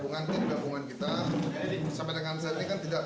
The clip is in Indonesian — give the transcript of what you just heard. kami tahan karena apa yang sudah dilakukan oleh rakyat